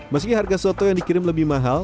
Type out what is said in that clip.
meski harga soto yang dikirim lebih mahal